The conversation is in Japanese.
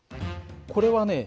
これはね